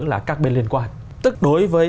là các bên liên quan tức đối với